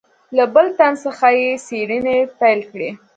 له بل تن څخه یې څېړنې پیل کړې.